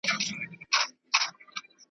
ته به راځې او زه به تللی یمه .